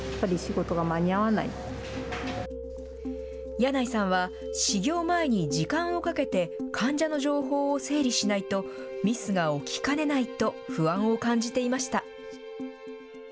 柳井さんは、始業前に時間をかけて患者の情報を整理しないと、ミスが起きかねないと、不安を感じていました。